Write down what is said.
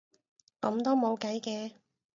噉都冇計嘅